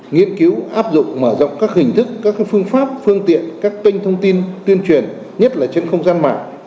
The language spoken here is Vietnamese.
nghiên cứu áp dụng mở rộng các hình thức các phương pháp phương tiện các kênh thông tin tuyên truyền nhất là trên không gian mạng